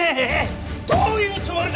どういうつもりだ！？